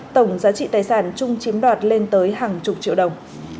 tổng giá trị tài sản trung chiếm đoạt lên tới hàng chục triệu đồng